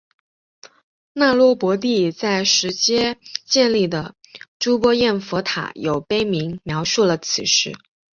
那罗波帝在实皆建立的睹波焰佛塔有碑铭描述了此事。